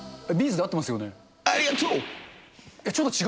ありがとう！